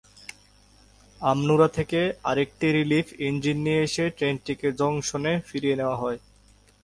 আমনূরা থেকে আরেকটি relief engine নিয়ে এসে ট্রেনটিকে জংশনে ফিরিয়ে নেওয়া হয়।